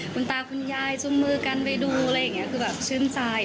คุณตาคุณยายจุงมือกันไปดูอะไรอย่างนี้คือแบบชื่นใจ